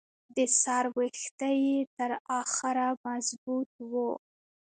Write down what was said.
د سر ویښته یې تر اخره مضبوط وو.